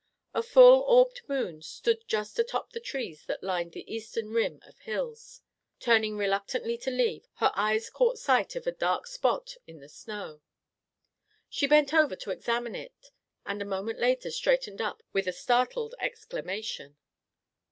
A full orbed moon stood just atop the trees that lined the eastern rim of hills. Turning reluctantly to leave, her eyes caught sight of a dark spot in the snow. She bent over to examine it, and a moment later straightened up with a startled exclamation.